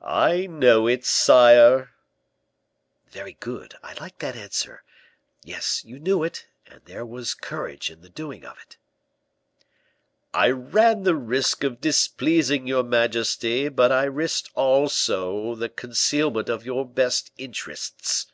"I know it, sire." "Very good; I like that answer. Yes, you knew it, and there was courage in the doing of it." "I ran the risk of displeasing your majesty, but I risked, also, the concealment of your best interests."